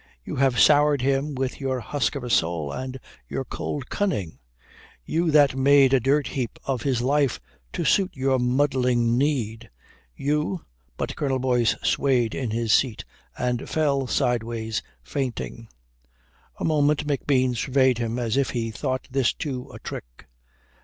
You that soured him with your husk of a soul and your cold cunning? You that made a dirt heap of his life to suit your muddling need? You " But Colonel Boyce swayed in his seat and fell sideways fainting. A moment McBean surveyed him as if he thought this too a trick.